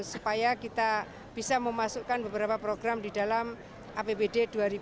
supaya kita bisa memasukkan beberapa program di dalam abbd dua ribu sembilan belas